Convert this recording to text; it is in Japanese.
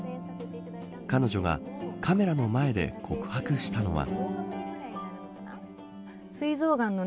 彼女がカメラの前で告白したのは。